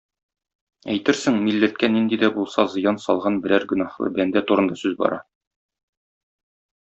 Әйтерсең, милләткә нинди дә булса зыян салган берәр гөнаһлы бәндә турында сүз бара!